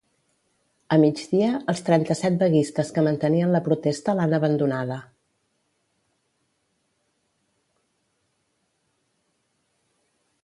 A migdia, els trenta-set vaguistes que mantenien la protesta l’han abandonada.